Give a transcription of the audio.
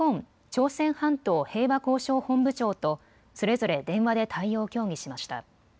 朝鮮半島平和交渉本部長とそれぞれ電話で対応を協議しました。